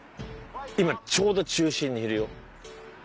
今ちょうど中心にいるよ。